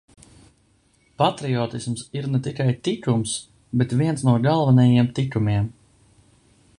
Patriotisms ir ne tikai tikums, bet viens no galvenajiem tikumiem.